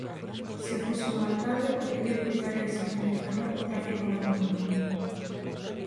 "Se fose o alcalde o primeiro que faría sería mellorar o tráfico na Coruña"